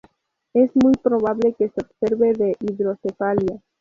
Es muy probable que se observe de hidrocefalia.